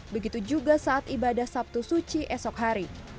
begitu juga saat ibadah sabtu suci esok hari